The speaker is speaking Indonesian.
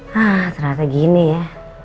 hah ternyata gini ya